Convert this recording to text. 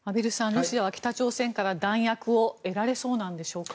ロシアは北朝鮮から弾薬を得られそうなんでしょうか。